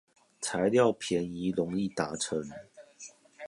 材料便宜容易達成